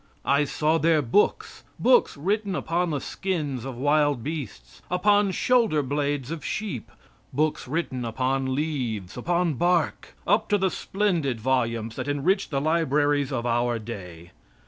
I saw their books books written upon the skins of wild beasts upon shoulder blades of sheep books written upon leaves, upon bark, up to the splendid volumes that enrich the libraries of our day.